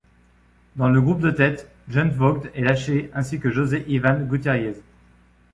Dans le groupe de tête, Jens Voigt est lâché, ainsi que José Ivan Gutierrez.